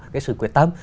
cái sự quyết tâm